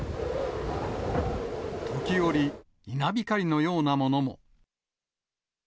時折、稲光のようなものも。